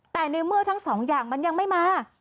แต่ในเมื่อทั้งสองอย่างมันยังไม่มา